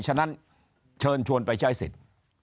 ฉะนั้นเชิญชวนไปใช้สิทธิ์